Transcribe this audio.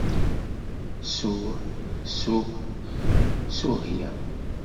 Ssuh, ssuh ssuhya.